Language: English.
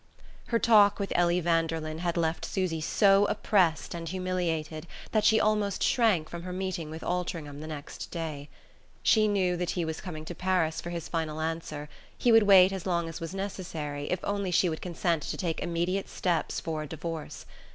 Her talk with Ellie Vanderlyn had left Susy so oppressed and humiliated that she almost shrank from her meeting with Altringham the next day. She knew that he was coming to Paris for his final answer; he would wait as long as was necessary if only she would consent to take immediate steps for a divorce.